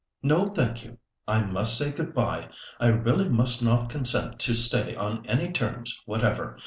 "No, thank you! I must say good bye, I really must not consent to stay on any terms whatever.